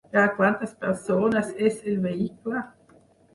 Per a quantes persones és el vehicle?